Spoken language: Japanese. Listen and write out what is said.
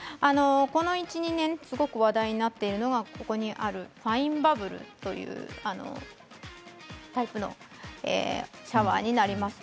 この１、２年すごく話題になっているのが、ここにあるファインバブルというタイプのシャワーになります。